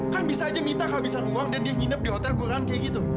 kan bisa aja mita kehabisan uang dan dia nginep di hotel kurahan kayak gitu